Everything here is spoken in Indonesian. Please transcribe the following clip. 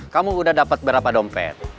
kamu udah dapat berapa dompet